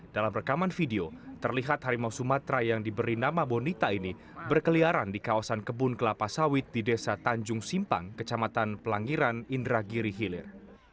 dalam rekaman video terlihat harimau sumatera yang diberi nama bonita ini berkeliaran di kawasan kebun kelapa sawit di desa tanjung simpang kecamatan pelangiran indragiri hilir